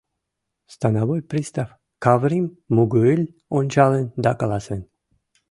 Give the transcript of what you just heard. Становой пристав Каврим мугы-ыль ончалын да каласен: